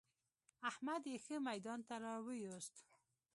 احمد يې ښه ميدان ته را ويوست.